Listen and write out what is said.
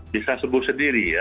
bisa sembuh sendiri ya